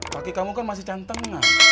paki kamu kan masih canteng